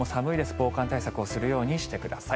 防寒対策をするようにしてください。